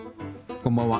こんばんは。